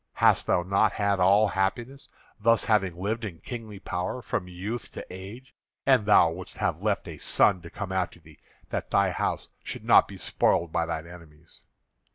Hast thou not had all happiness, thus having lived in kingly power from youth to age? And thou wouldst have left a son to come after thee, that thy house should not be spoiled by thine enemies.